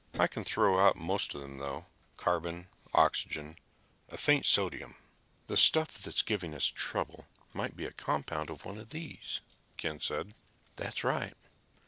"I can throw out most of them, though carbon, oxygen, a faint sodium." "The stuff that's giving us trouble might be a compound of one of these," said Ken. "That's right.